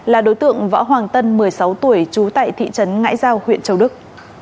là đối tượng võ hoàng tân một mươi sáu tuổi trú tại thị trấn ngãi giao huyện châu đức